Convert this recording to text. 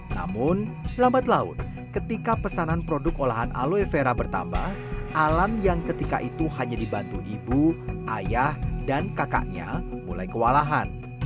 namun lambat laun ketika pesanan produk olahan aloe vera bertambah alan yang ketika itu hanya dibantu ibu ayah dan kakaknya mulai kewalahan